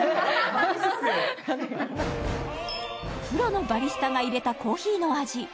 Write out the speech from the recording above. プロのバリスタがいれたコーヒーの味